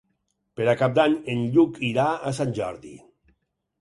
Per Cap d'Any en Lluc irà a Sant Jordi.